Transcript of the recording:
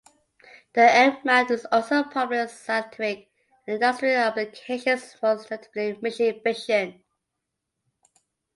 The F-mount is also popular in scientific and industrial applications, most notably machine vision.